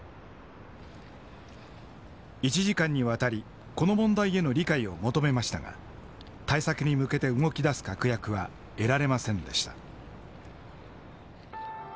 １時間にわたりこの問題への理解を求めましたが対策に向けて動き出す確約は得られませんでした。